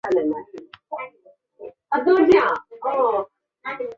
西区位于嘉义市西隅。